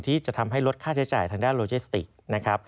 ที่จะทำให้ลดค่าใช้จ่ายทางด้านโลเจสติกนะครับ